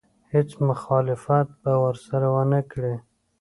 هېڅ مخالفت به ورسره ونه کړي.